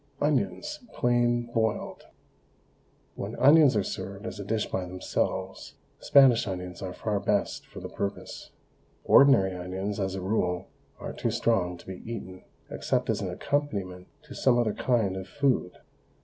ONIONS, PLAIN BOILED. When onions are served as a dish by themselves, Spanish onions are far best for the purpose. Ordinary onions, as a rule, are too strong to be eaten, except as an accompaniment to some other kind of food.